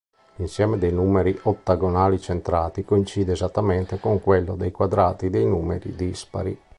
L'insieme dei numeri ottagonali centrati coincide esattamente con quello dei quadrati dei numeri dispari.